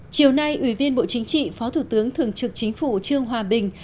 chiều nay ủy viên bộ chính trị phó thủ tướng thường trực chính phủ trương hòa bình